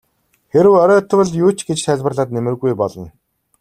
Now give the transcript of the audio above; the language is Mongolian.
Хэрэв оройтвол юу ч гэж тайлбарлаад нэмэргүй болно.